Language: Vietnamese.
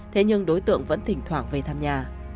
thế nhưng đối tượng vẫn thỉnh thoảng về thăm nhà